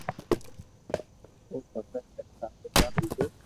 تو او ڀگت اي سال رو جواب ديديو